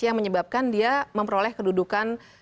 yang menyebabkan dia memperoleh kedudukan